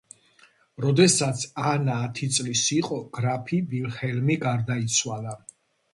როდესაც ანა ათი წლის იყო გრაფი ვილჰელმი გარდაიცვალა.